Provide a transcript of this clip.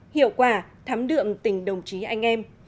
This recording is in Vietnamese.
hiệu quả thắm đượm tình đồng chí anh em